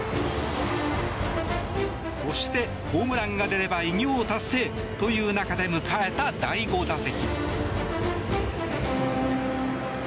そして、ホームランが出れば偉業達成という中で迎えた第５打席。